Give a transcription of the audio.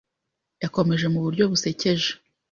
Yekomoje mu buryo busekeje